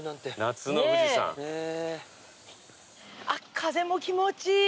あっ風も気持ちいい。